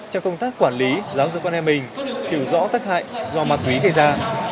trong công tác quản lý giáo dục con em mình hiểu rõ tất hại do mặt quý gây ra